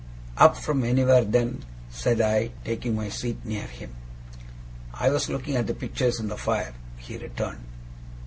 'Up from anywhere, then?' said I, taking my seat near him. 'I was looking at the pictures in the fire,' he returned.